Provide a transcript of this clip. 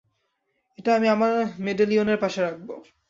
এটা আমি আমার মেডেলিওনের পাশে রাখবো।